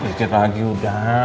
dikit lagi udah